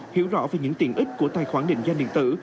hiểu rõ về những tiện ích của tài khoản định danh điện tử